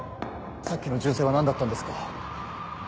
さっきの銃声は何だったんですか？